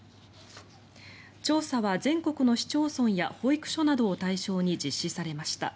調査は全国の市町村や保育所などを対象に実施されました。